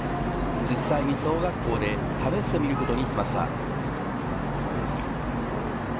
実際に小学校で試してみることにしました。